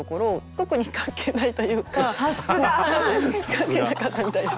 関係なかったみたいです。